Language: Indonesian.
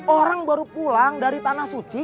orang baru pulang dari tanah suci